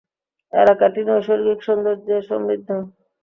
এলাকাটি নৈসর্গিক সৌন্দর্যে সমৃদ্ধ।